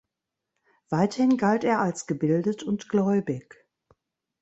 Weiterhin galt er als gebildet und gläubig.